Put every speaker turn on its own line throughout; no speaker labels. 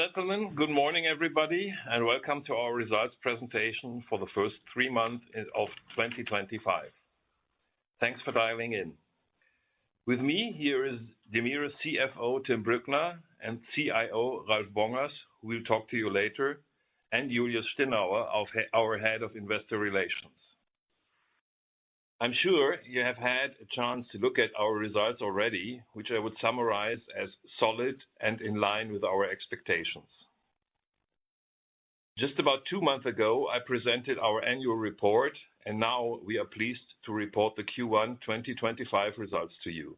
Ladies and gentlemen, good morning everybody, and welcome to our results presentation for the first three months of 2025. Thanks for dialing in. With me here is DEMIRE CFO Tim Brückner and CIO Ralf Bongers, who will talk to you later, and Julius Stinauer, our Head of Investor Relations. I'm sure you have had a chance to look at our results already, which I would summarize as solid and in line with our expectations. Just about two months ago, I presented our annual report, and now we are pleased to report the Q1 2025 results to you.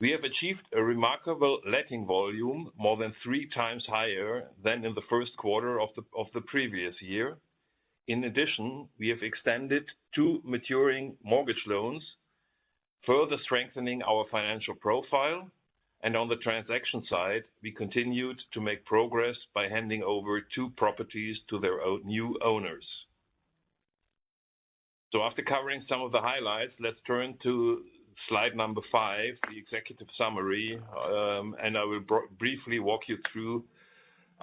We have achieved a remarkable letting volume, more than three times higher than in the first quarter of the previous year. In addition, we have extended two maturing mortgage loans, further strengthening our financial profile. On the transaction side, we continued to make progress by handing over two properties to their new owners. After covering some of the highlights, let's turn to slide number five, the executive summary, and I will briefly walk you through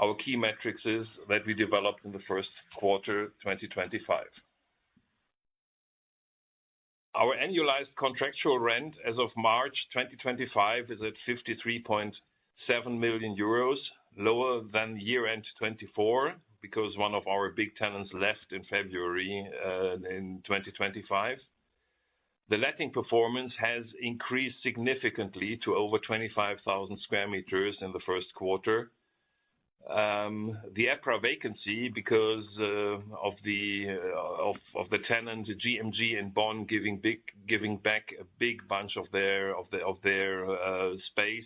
our key metrics that we developed in the first quarter 2025. Our annualized contractual rent as of March 2025 is at 53.7 million euros, lower than year-end 2024 because one of our big tenants left in February 2025. The letting performance has increased significantly to over 25,000 sq m in the first quarter. The EPRA vacancy because of the tenant, GMG in Bonn, giving back a big bunch of their space,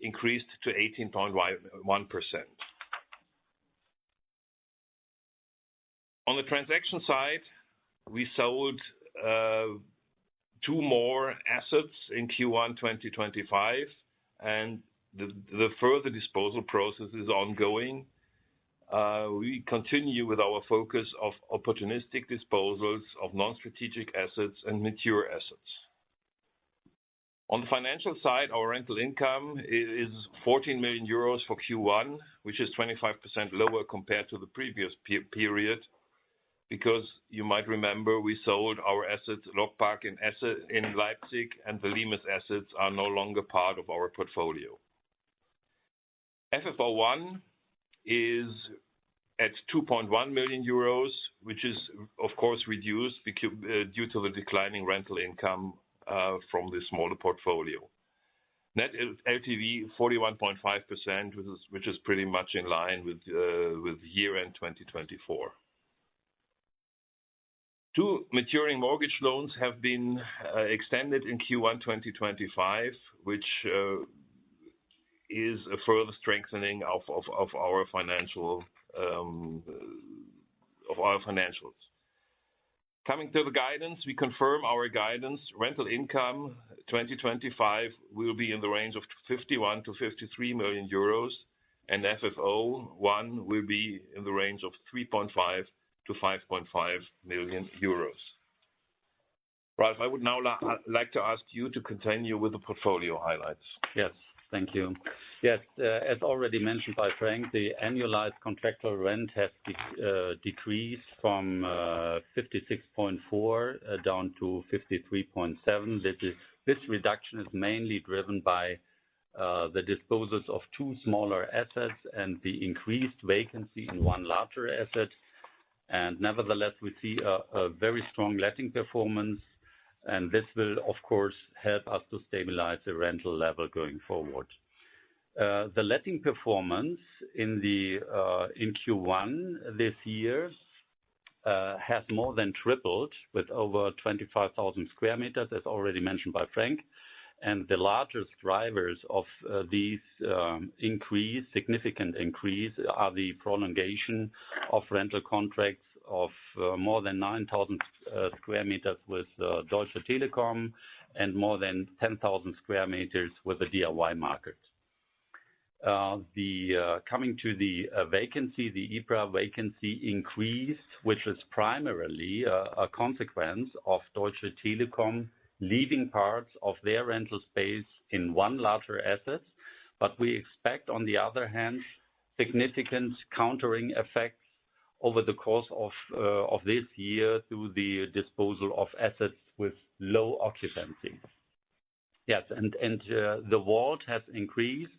increased to 18.1%. On the transaction side, we sold two more assets in Q1 2025, and the further disposal process is ongoing. We continue with our focus of opportunistic disposals of non-strategic assets and mature assets. On the financial side, our rental income is 14 million euros for Q1, which is 25% lower compared to the previous period. Because you might remember, we sold our assets, LogPark in Leipzig and the Limes assets are no longer part of our portfolio. FFO I is at 2.1 million euros, which is, of course, reduced due to the declining rental income from this smaller portfolio. Net LTV 41.5%, which is pretty much in line with year-end 2024. Two maturing mortgage loans have been extended in Q1 2025, which is a further strengthening of our financials. Coming to the guidance, we confirm our guidance. Rental income 2025 will be in the range of 51 million-53 million euros, and FFO I will be in the range of 3.5 million-5.5 million euros. Ralf, I would now like to ask you to continue with the portfolio highlights.
Yes, thank you. Yes, as already mentioned by Frank, the annualized contractual rent has decreased from 56.4 million down to 53.7 million. This reduction is mainly driven by the disposals of two smaller assets and the increased vacancy in one larger asset. Nevertheless, we see a very strong letting performance, and this will, of course, help us to stabilize the rental level going forward. The letting performance in Q1 this year has more than tripled with over 25,000 sq m, as already mentioned by Frank. The largest drivers of this significant increase are the prolongation of rental contracts of more than 9,000 sq m with Deutsche Telekom and more than 10,000 sq m with the DIY market. Coming to the vacancy, the EPRA vacancy increased, which is primarily a consequence of Deutsche Telekom leaving parts of their rental space in one larger asset. We expect, on the other hand, significant countering effects over the course of this year through the disposal of assets with low occupancy. Yes, the WALT has increased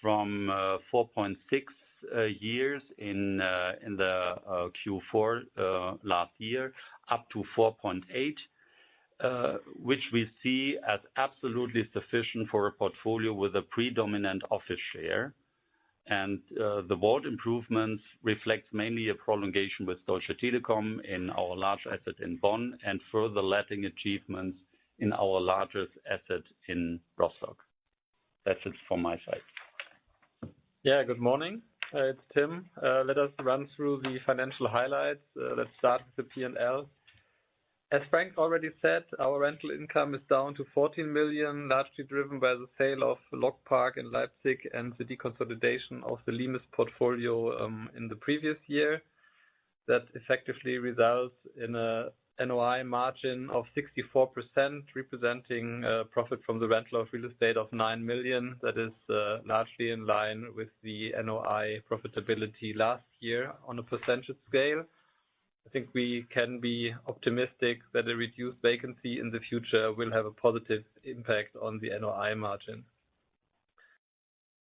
from 4.6 years in Q4 last year up to 4.8, which we see as absolutely sufficient for a portfolio with a predominant office share. The WALT improvements reflect mainly a prolongation with Deutsche Telekom in our large asset in Bonn and further letting achievements in our largest asset in Rostock. That's it from my side.
Yeah, good morning. It's Tim. Let us run through the financial highlights. Let's start with the P&L. As Frank already said, our rental income is down to 14 million, largely driven by the sale of LogPark in Leipzig and the deconsolidation of the Limes portfolio in the previous year. That effectively results in an NOI margin of 64%, representing profit from the rental of real estate of 9 million. That is largely in line with the NOI profitability last year on a percentage scale. I think we can be optimistic that a reduced vacancy in the future will have a positive impact on the NOI margin.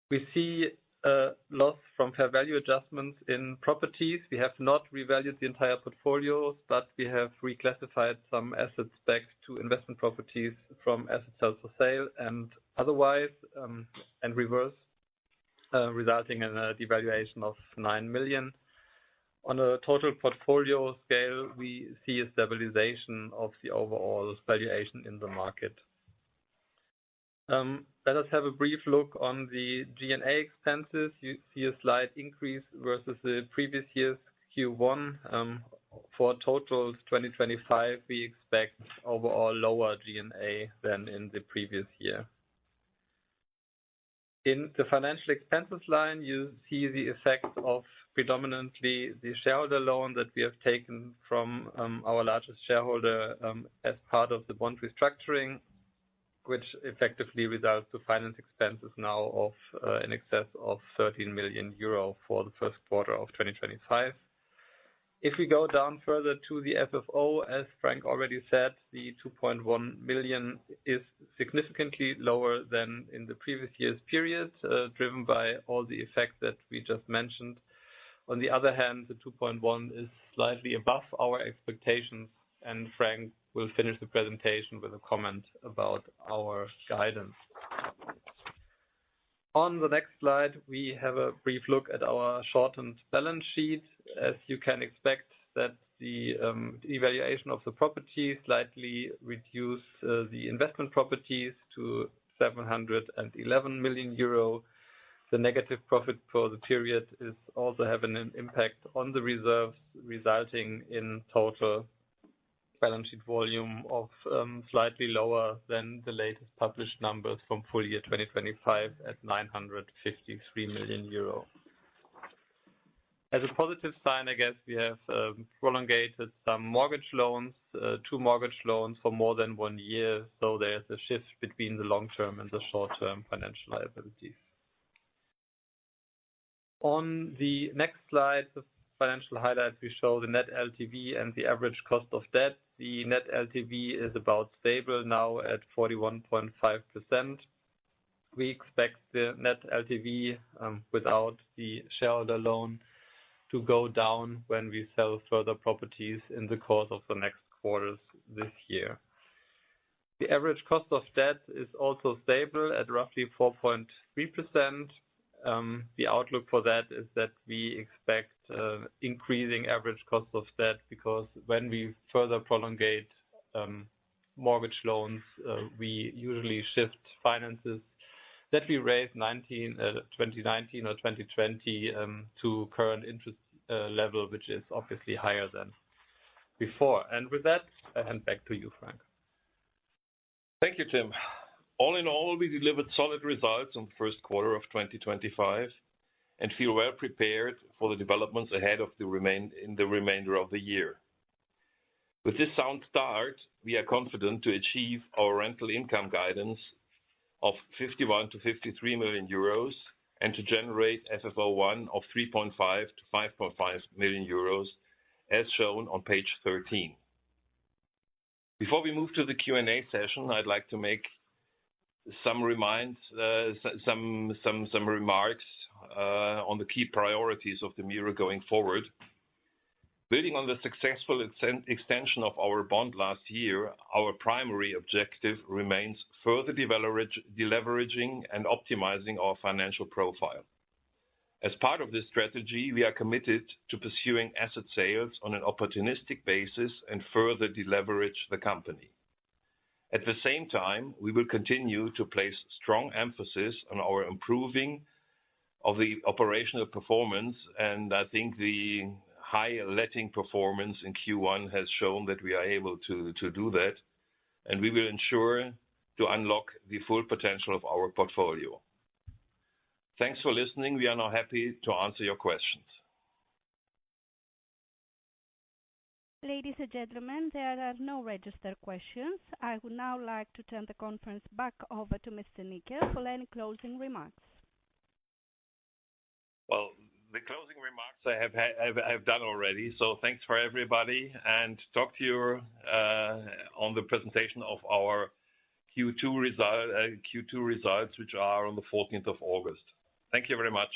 We see loss from fair value adjustments in properties. We have not revalued the entire portfolio, but we have reclassified some assets back to investment properties from asset sales for sale and otherwise, and reverse, resulting in a devaluation of 9 million. On a total portfolio scale, we see a stabilization of the overall valuation in the market. Let us have a brief look on the G&A expenses. You see a slight increase versus the previous year's Q1. For total 2025, we expect overall lower G&A than in the previous year. In the financial expenses line, you see the effect of predominantly the shareholder loan that we have taken from our largest shareholder as part of the bond restructuring, which effectively results to finance expenses now of in excess of 13 million euro for the first quarter of 2025. If we go down further to the FFO, as Frank already said, the 2.1 million is significantly lower than in the previous year's period, driven by all the effects that we just mentioned. On the other hand, the 2.1 million is slightly above our expectations, and Frank will finish the presentation with a comment about our guidance. On the next slide, we have a brief look at our shortened balance sheet. As you can expect, the devaluation of the properties slightly reduced the investment properties to 711 million euro. The negative profit for the period is also having an impact on the reserves, resulting in total balance sheet volume of slightly lower than the latest published numbers from full year 2025 at 953 million euro. As a positive sign, I guess we have prolongated some mortgage loans, two mortgage loans for more than one year, so there is a shift between the long-term and the short-term financial liabilities. On the next slide of financial highlights, we show the net LTV and the average cost of debt. The net LTV is about stable now at 41.5%. We expect the net LTV without the shareholder loan to go down when we sell further properties in the course of the next quarters this year. The average cost of debt is also stable at roughly 4.3%. The outlook for that is that we expect increasing average cost of debt because when we further prolongate mortgage loans, we usually shift finances that we raised 2019 or 2020 to current interest level, which is obviously higher than before. With that, I hand back to you, Frank.
Thank you, Tim. All in all, we delivered solid results in the first quarter of 2025 and feel well prepared for the developments ahead in the remainder of the year. With this sound start, we are confident to achieve our rental income guidance of 51 million-53 million euros and to generate FFO I of 3.5 million-5.5 million euros as shown on page 13. Before we move to the Q&A session, I would like to make some remarks on the key priorities of DEMIRE going forward. Building on the successful extension of our bond last year, our primary objective remains further deleveraging and optimizing our financial profile. As part of this strategy, we are committed to pursuing asset sales on an opportunistic basis and further deleverage the company. At the same time, we will continue to place strong emphasis on our improving of the operational performance, and I think the high letting performance in Q1 has shown that we are able to do that, and we will ensure to unlock the full potential of our portfolio. Thanks for listening. We are now happy to answer your questions.
Ladies and gentlemen, there are no registered questions. I would now like to turn the conference back over to Mr. Nickel for any closing remarks.
The closing remarks I have done already, so thanks for everybody, and talk to you on the presentation of our Q2 results, which are on the 14th of August. Thank you very much.